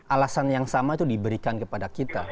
alasan yang sama itu diberikan kepada kita